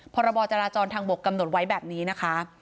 พรบจราจรทางบกกำหนดไว้แบบนี้นะคะ